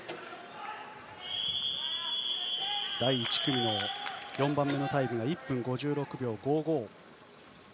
第１組の４番目のタイムが１分５６秒５５。